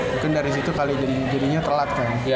mungkin dari situ kali jadinya telat kan